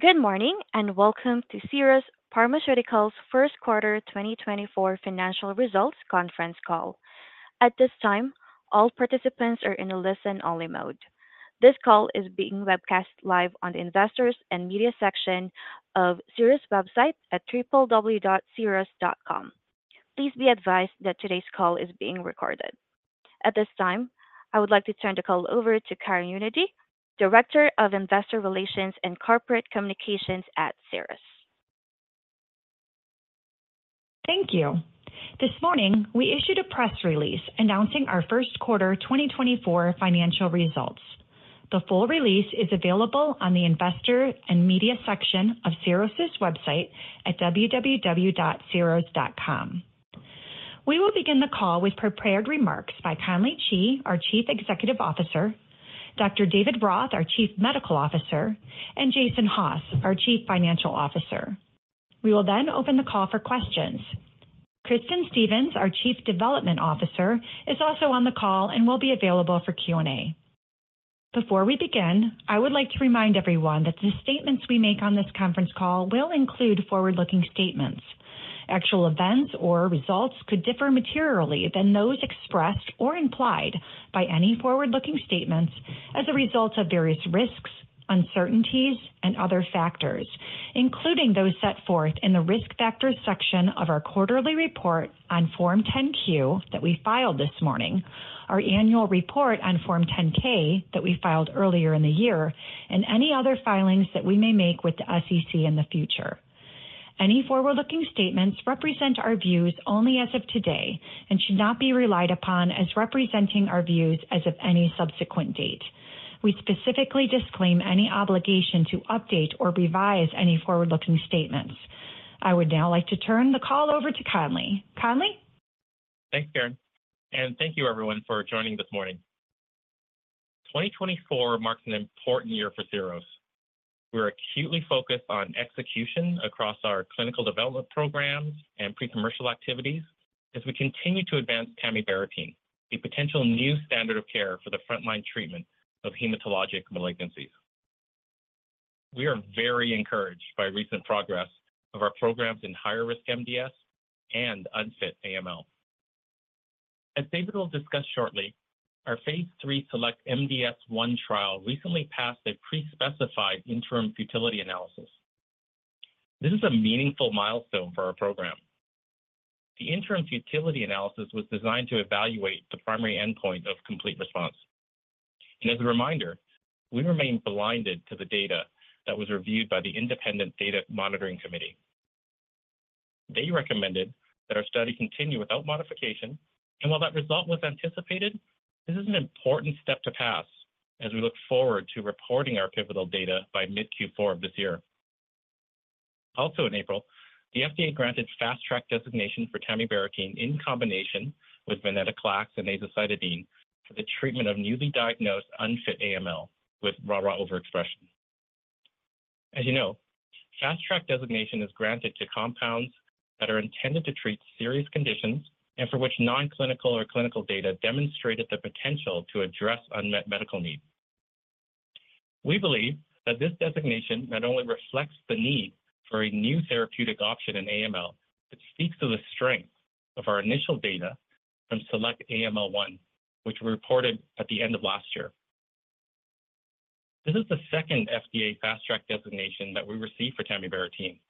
Good morning and welcome to Syros Pharmaceuticals' Q1 2024 financial results conference call. At this time, all participants are in a listen-only mode. This call is being webcast live on the investors and media section of Syros website at www.syros.com. Please be advised that today's call is being recorded. At this time, I would like to turn the call over to Karen Hunady, Director of Investor Relations and Corporate Communications at Syros. Thank you. This morning we issued a press release announcing our Q1 2024 financial results. The full release is available on the investor and media section of Syros' website at www.syros.com. We will begin the call with prepared remarks by Conley Chee, our Chief Executive Officer, Dr. David Roth, our Chief Medical Officer, and Jason Haas, our Chief Financial Officer. We will then open the call for questions. Kristin Stephens, our Chief Development Officer, is also on the call and will be available for Q&A. Before we begin, I would like to remind everyone that the statements we make on this conference call will include forward-looking statements. Actual events or results could differ materially than those expressed or implied by any forward-looking statements as a result of various risks, uncertainties, and other factors, including those set forth in the risk factors section of our quarterly report on Form 10-Q that we filed this morning, our annual report on Form 10-K that we filed earlier in the year, and any other filings that we may make with the SEC in the future. Any forward-looking statements represent our views only as of today and should not be relied upon as representing our views as of any subsequent date. We specifically disclaim any obligation to update or revise any forward-looking statements. I would now like to turn the call over to Conley. Conley? Thanks, Karen. Thank you, everyone, for joining this morning. 2024 marks an important year for Syros. We are acutely focused on execution across our clinical development programs and pre-commercial activities as we continue to advance tamibarotene, a potential new standard of care for the frontline treatment of hematologic malignancies. We are very encouraged by recent progress of our programs in higher-risk MDS and unfit AML. As David will discuss shortly, our phase 3 SELECT-MDS-1 trial recently passed a pre-specified interim futility analysis. This is a meaningful milestone for our program. The interim futility analysis was designed to evaluate the primary endpoint of complete response. As a reminder, we remain blinded to the data that was reviewed by the Independent Data Monitoring Committee. They recommended that our study continue without modification, and while that result was anticipated, this is an important step to pass as we look forward to reporting our pivotal data by mid-Q4 of this year. Also in April, the FDA granted Fast Track designation for tamibarotene in combination with venetoclax and azacitidine for the treatment of newly diagnosed unfit AML with RARA overexpression. As you know, Fast Track designation is granted to compounds that are intended to treat serious conditions and for which non-clinical or clinical data demonstrated the potential to address unmet medical needs. We believe that this designation not only reflects the need for a new therapeutic option in AML but speaks to the strength of our initial data from SELECT-AML-1, which we reported at the end of last year. This is the second FDA Fast Track designation that we received for tamibarotene.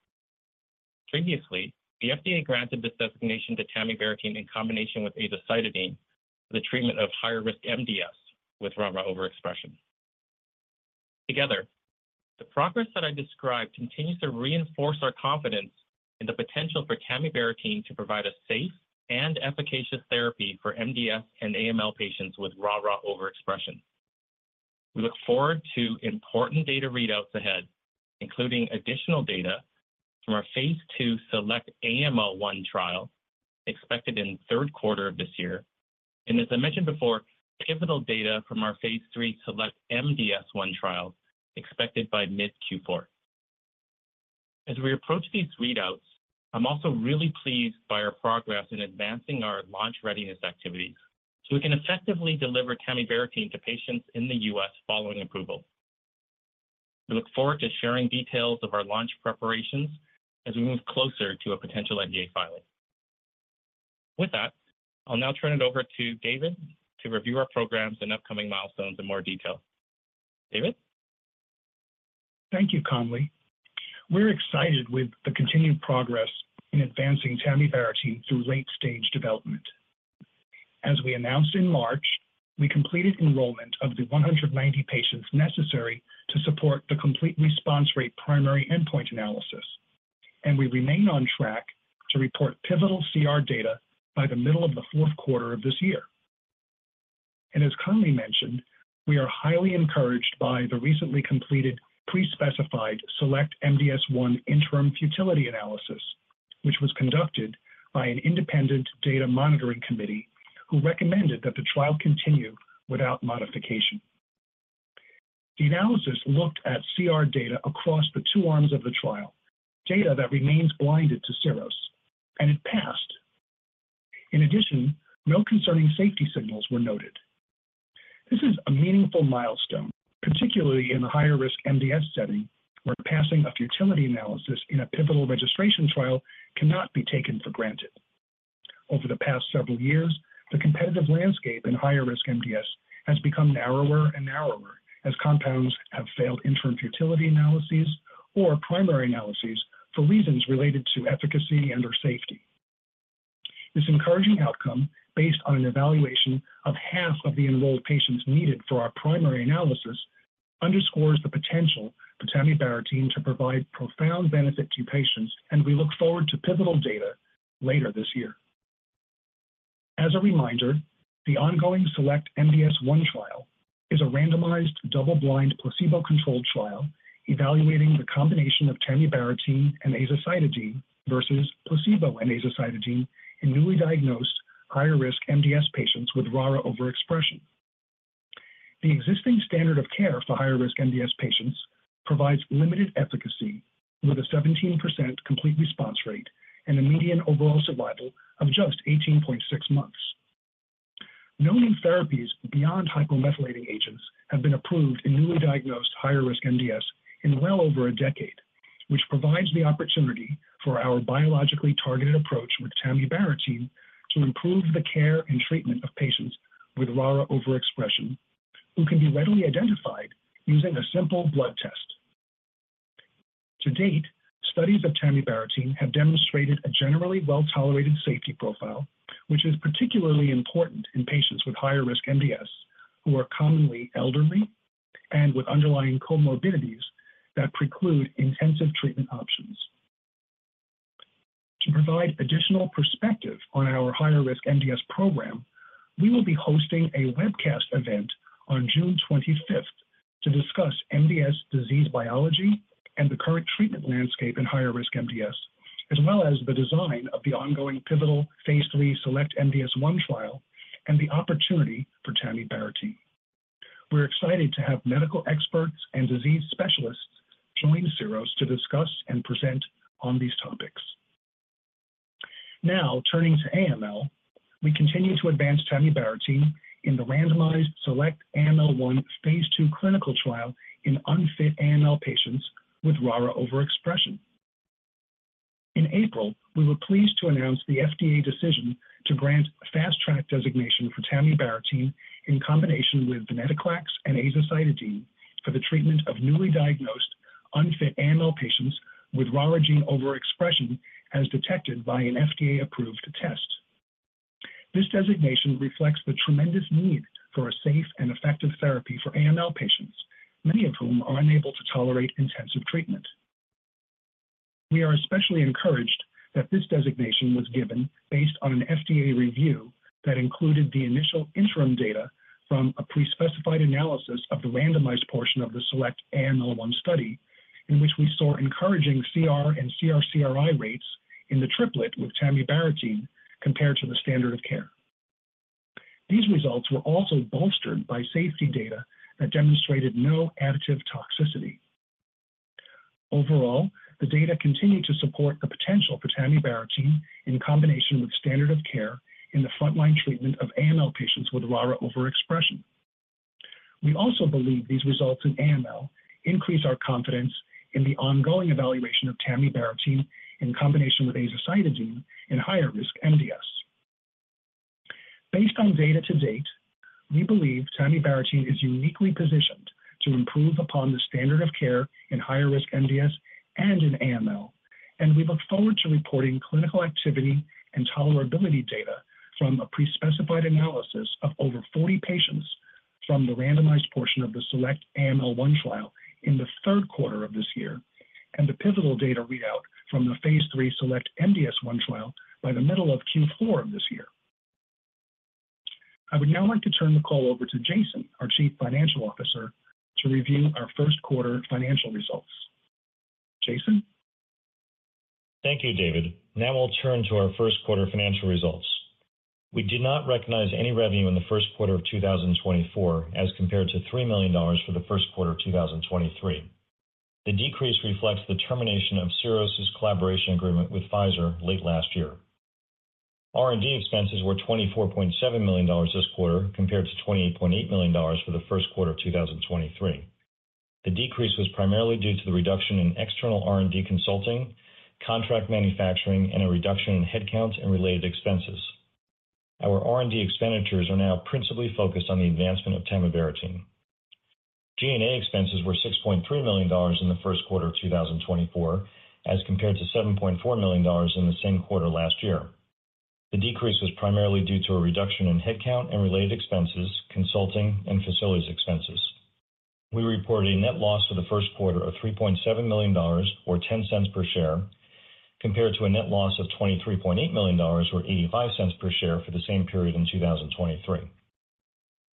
Previously, the FDA granted this designation to tamibarotene in combination with azacitidine for the treatment of higher-risk MDS with RARA overexpression. Together, the progress that I described continues to reinforce our confidence in the potential for tamibarotene to provide a safe and efficacious therapy for MDS and AML patients with RARA overexpression. We look forward to important data readouts ahead, including additional data from our phase 2 SELECT-AML-1 trial expected in Q3 of this year and, as I mentioned before, pivotal data from our phase 3 SELECT-MDS-1 trial expected by mid-Q4. As we approach these readouts, I'm also really pleased by our progress in advancing our launch readiness activities so we can effectively deliver tamibarotene to patients in the U.S. following approval. We look forward to sharing details of our launch preparations as we move closer to a potential NDA filing. With that, I'll now turn it over to David to review our programs and upcoming milestones in more detail. David? Thank you, Conley. We're excited with the continued progress in advancing tamibarotene through late-stage development. As we announced in March, we completed enrollment of the 190 patients necessary to support the complete response rate primary endpoint analysis, and we remain on track to report pivotal CR data by the middle of the Q4 of this year. As Conley mentioned, we are highly encouraged by the recently completed pre-specified SELECT-MDS-1 interim futility analysis, which was conducted by an Independent Data Monitoring Committee who recommended that the trial continue without modification. The analysis looked at CR data across the two arms of the trial, data that remains blinded to Syros, and it passed. In addition, no concerning safety signals were noted. This is a meaningful milestone, particularly in the higher-risk MDS setting where passing a futility analysis in a pivotal registration trial cannot be taken for granted. Over the past several years, the competitive landscape in higher-risk MDS has become narrower and narrower as compounds have failed interim futility analyses or primary analyses for reasons related to efficacy and/or safety. This encouraging outcome, based on an evaluation of half of the enrolled patients needed for our primary analysis, underscores the potential for tamibarotene to provide profound benefit to patients, and we look forward to pivotal data later this year. As a reminder, the ongoing SELECT-MDS-1 trial is a randomized double-blind placebo-controlled trial evaluating the combination of tamibarotene and azacitidine versus placebo and azacitidine in newly diagnosed higher-risk MDS patients with RARA overexpression. The existing standard of care for higher-risk MDS patients provides limited efficacy with a 17% complete response rate and a median overall survival of just 18.6 months. No new therapies beyond hypomethylating agents have been approved in newly diagnosed higher-risk MDS in well over a decade, which provides the opportunity for our biologically targeted approach with tamibarotene to improve the care and treatment of patients with RARA overexpression who can be readily identified using a simple blood test. To date, studies of tamibarotene have demonstrated a generally well-tolerated safety profile, which is particularly important in patients with higher-risk MDS who are commonly elderly and with underlying comorbidities that preclude intensive treatment options. To provide additional perspective on our higher-risk MDS program, we will be hosting a webcast event on June 25th to discuss MDS disease biology and the current treatment landscape in higher-risk MDS, as well as the design of the ongoing pivotal phase 3 SELECT-MDS-1 trial and the opportunity for tamibarotene. We're excited to have medical experts and disease specialists join Syros to discuss and present on these topics. Now, turning to AML, we continue to advance tamibarotene in the randomized SELECT-AML-1 phase 2 clinical trial in unfit AML patients with RARA overexpression. In April, we were pleased to announce the FDA decision to grant Fast Track designation for tamibarotene in combination with venetoclax and azacitidine for the treatment of newly diagnosed unfit AML patients with RARA gene overexpression as detected by an FDA-approved test. This designation reflects the tremendous need for a safe and effective therapy for AML patients, many of whom are unable to tolerate intensive treatment. We are especially encouraged that this designation was given based on an FDA review that included the initial interim data from a pre-specified analysis of the randomized portion of the SELECT-AML-1 study in which we saw encouraging CR/CRi rates in the triplet with tamibarapine compared to the standard of care. These results were also bolstered by safety data that demonstrated no additive toxicity. Overall, the data continue to support the potential for tamibarapine in combination with standard of care in the frontline treatment of AML patients with RARA overexpression. We also believe these results in AML increase our confidence in the ongoing evaluation of tamibarapine in combination with azacitidine in higher-risk MDS. Based on data to date, we believe tamibarotene is uniquely positioned to improve upon the standard of care in higher-risk MDS and in AML, and we look forward to reporting clinical activity and tolerability data from a pre-specified analysis of over 40 patients from the randomized portion of the SELECT-AML-1 trial in the Q3 of this year and the pivotal data readout from the phase 3 SELECT-MDS-1 trial by the middle of Q4 of this year. I would now like to turn the call over to Jason, our Chief Financial Officer, to review our Q1 financial results. Jason? Thank you, David. Now we'll turn to our Q1 financial results. We did not recognize any revenue in the Q1 of 2024 as compared to $3 million for the Q1 of 2023. The decrease reflects the termination of Syros' collaboration agreement with Pfizer late last year. R&D expenses were $24.7 million this quarter compared to $28.8 million for the Q1 of 2023. The decrease was primarily due to the reduction in external R&D consulting, contract manufacturing, and a reduction in headcount and related expenses. Our R&D expenditures are now principally focused on the advancement of tamibarotene. G&A expenses were $6.3 million in the Q1 of 2024 as compared to $7.4 million in the same quarter last year. The decrease was primarily due to a reduction in headcount and related expenses, consulting, and facilities expenses. We report a net loss for the Q1 of $3.7 million or $0.10 per share compared to a net loss of $23.8 million or $0.85 per share for the same period in 2023.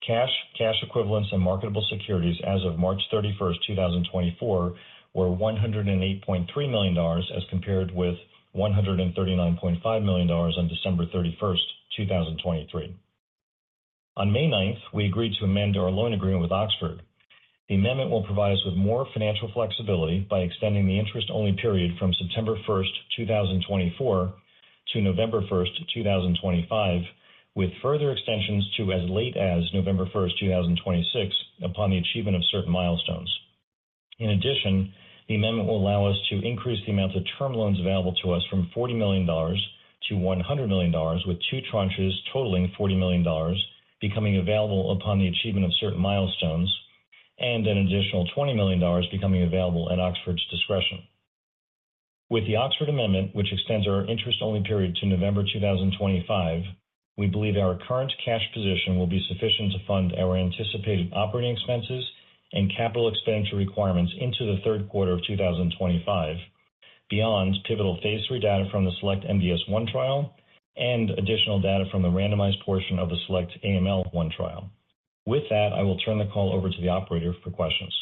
Cash, cash equivalents, and marketable securities as of March 31st, 2024, were $108.3 million as compared with $139.5 million on December 31st, 2023. On May 9th, we agreed to amend our loan agreement with Oxford. The amendment will provide us with more financial flexibility by extending the interest-only period from September 1st, 2024, to November 1st, 2025, with further extensions to as late as November 1st, 2026, upon the achievement of certain milestones. In addition, the amendment will allow us to increase the amount of term loans available to us from $40 million to $100 million with two tranches totaling $40 million becoming available upon the achievement of certain milestones and an additional $20 million becoming available at Oxford's discretion. With the Oxford amendment, which extends our interest-only period to November 2025, we believe our current cash position will be sufficient to fund our anticipated operating expenses and capital expenditure requirements into the Q3 of 2025 beyond pivotal phase 3 data from the SELECT-MDS-1 trial and additional data from the randomized portion of the SELECT-AML-1 trial. With that, I will turn the call over to the operator for questions.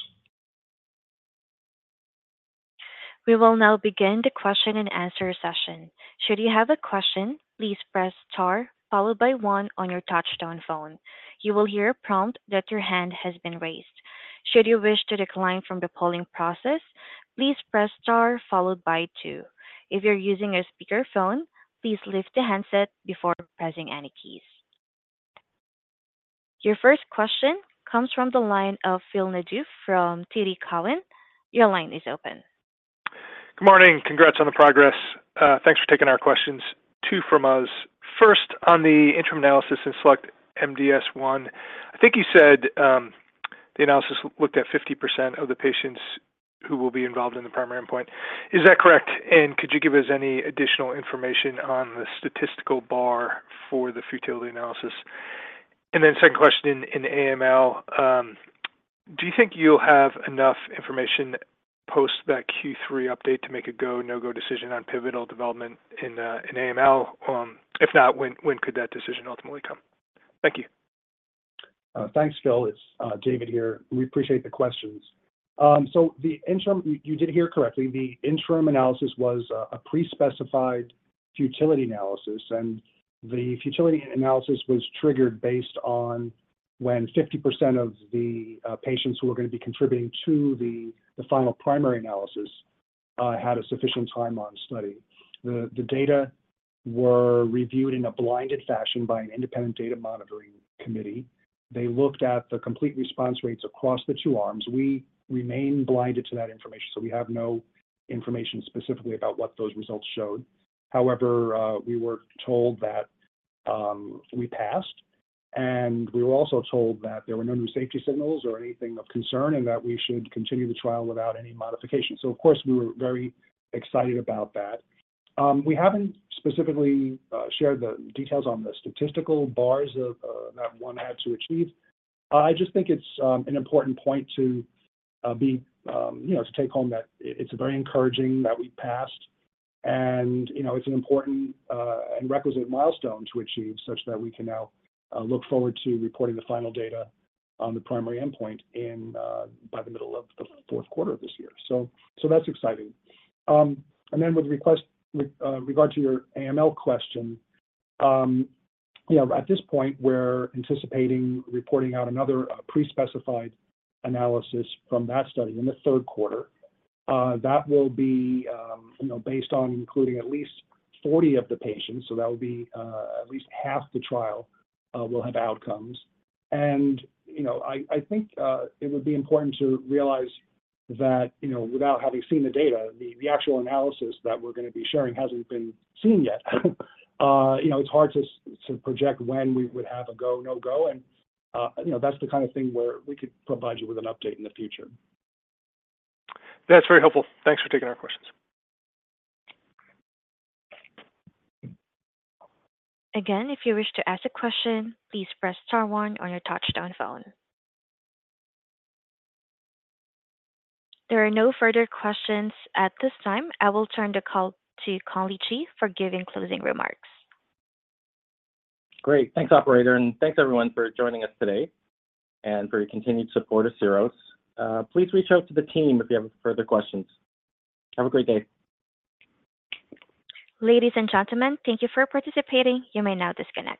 We will now begin the question-and-answer session. Should you have a question, please press * followed by 1 on your touch-tone phone. You will hear a prompt that your hand has been raised. Should you wish to decline from the polling process, please press * followed by 2. If you're using a speakerphone, please lift the handset before pressing any keys. Your first question comes from the line of Phil Nadeau from TD Cowen. Your line is open. Good morning. Congrats on the progress. Thanks for taking our questions. Two from us. First, on the interim analysis in SELECT-MDS-1, I think you said the analysis looked at 50% of the patients who will be involved in the primary endpoint. Is that correct? And could you give us any additional information on the statistical bar for the futility analysis? And then second question in AML, do you think you'll have enough information post that Q3 update to make a go-no-go decision on pivotal development in AML? If not, when could that decision ultimately come? Thank you. Thanks, Phil. It's David here. We appreciate the questions. So you did hear correctly. The interim analysis was a pre-specified futility analysis, and the futility analysis was triggered based on when 50% of the patients who were going to be contributing to the final primary analysis had a sufficient time on study. The data were reviewed in a blinded fashion by an Independent Data Monitoring Committee. They looked at the complete response rates across the two arms. We remain blinded to that information, so we have no information specifically about what those results showed. However, we were told that we passed, and we were also told that there were no new safety signals or anything of concern and that we should continue the trial without any modification. So, of course, we were very excited about that. We haven't specifically shared the details on the statistical bars that one had to achieve. I just think it's an important point to take home that it's very encouraging that we passed, and it's an important and requisite milestone to achieve such that we can now look forward to reporting the final data on the primary endpoint by the middle of the Q4 of this year. So that's exciting. And then with regard to your AML question, at this point, we're anticipating reporting out another pre-specified analysis from that study in the Q3. That will be based on including at least 40 of the patients. So that will be at least half the trial will have outcomes. And I think it would be important to realize that without having seen the data, the actual analysis that we're going to be sharing hasn't been seen yet. It's hard to project when we would have a go-no-go, and that's the kind of thing where we could provide you with an update in the future. That's very helpful. Thanks for taking our questions. Again, if you wish to ask a question, please press * on your touch-tone phone. There are no further questions at this time. I will turn the call to Conley Chee for giving closing remarks. Great. Thanks, operator, and thanks, everyone, for joining us today and for your continued support of Syros. Please reach out to the team if you have further questions. Have a great day. Ladies and gentlemen, thank you for participating. You may now disconnect.